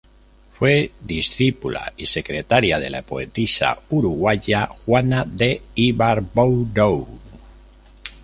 Fue discípula y secretaria de la poetisa uruguaya Juana de Ibarbourou.